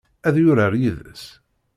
Ad yurar yid-s?